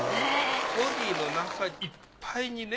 ボディーの中いっぱいにね